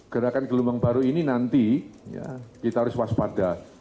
gerakan gelombang baru ini nanti kita harus waspada